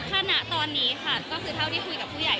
ก็คือท่านะตอนนี้ค่ะก็คือเท่าที่คุยกับผู้ใหญ่